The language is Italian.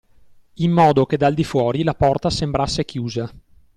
In modo che dal di fuori la porta sembrasse chiusa.